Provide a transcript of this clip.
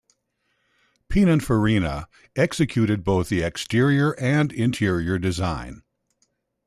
Pininfarina executed both the exterior and interior design.